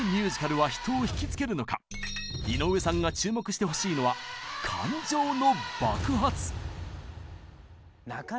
井上さんが注目してほしいのは日常で。